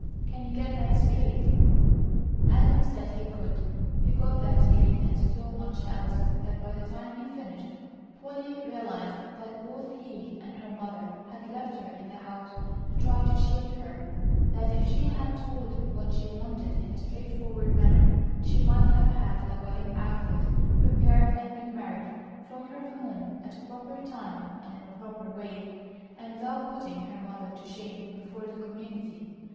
Can you get that straight?" Adam said he could. He got that straight and so much else that by the time he finished, Polly realized that both he and her mother had left her in the house to try to SHIELD her; that if she had told what she wanted in a straightforward manner she might have had a wedding outfit prepared and been married from her home at a proper time and in a proper way, and without putting her mother to shame before the community.